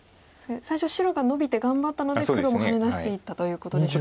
最初白がノビて頑張ったので黒もハネ出していったということでしたが。